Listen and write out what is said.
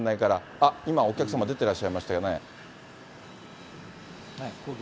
あっ、今お客様出てらっしゃいましたね。